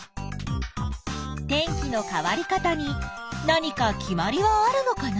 天気の変わり方に何か決まりはあるのかな？